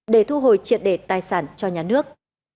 để thu hồi triệt đề tài sản cho nhà nước